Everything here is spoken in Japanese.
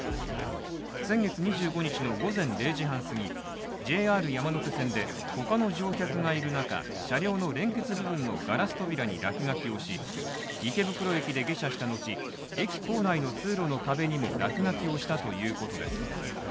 先月２５日の午前０時半すぎＪＲ山手線で、他の乗客がいる中車両の連結部分のガラス扉に落書きをし池袋駅で下車したのち、駅構内の通路の壁にも落書きをしたということです。